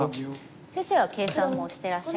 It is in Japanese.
先生は計算もうしてらっしゃいますか？